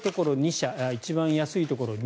社一番安いところ２